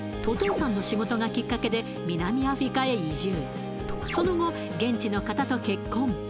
お父さんの仕事がきっかけで南アフリカへ移住その後現地の方と結婚